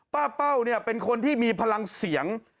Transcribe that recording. เป้าเนี่ยเป็นคนที่มีพลังเสียง